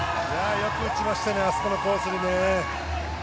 よく打ちましたね、あそこのコースにね。